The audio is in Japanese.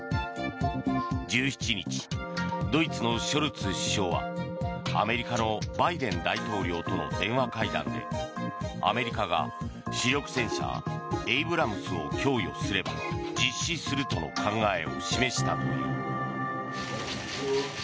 １７日、ドイツのショルツ首相はアメリカのバイデン大統領との電話会談でアメリカが主力戦車エイブラムスを供与すれば実施するとの考えを示したという。